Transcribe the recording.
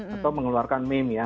atau mengeluarkan meme ya